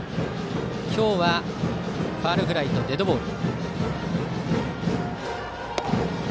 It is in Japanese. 今日はファウルファウルとデッドボール。